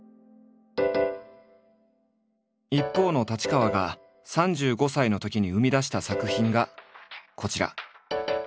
一方の太刀川が３５歳のときに生み出した作品がこちら。